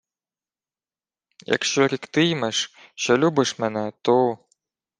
— Якщо рікти-ймеш, що любиш мене, то...